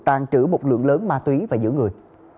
tàng trữ một lượng lớn ma túy và giữ người